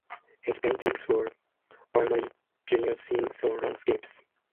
His paintings were primarily genre scenes and landscapes.